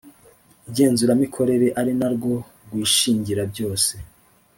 igenzuramikorere ari na rwo rwishingira byose.